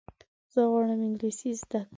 زه غواړم انګلیسي زده کړم.